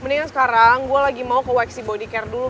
mendingan sekarang gue lagi mau ke weeksi body care dulu